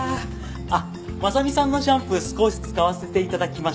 あっ真実さんのシャンプー少し使わせて頂きました。